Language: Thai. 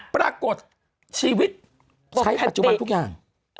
ปรากฏชีวิตใช้ปัจจุบันทุกอย่าง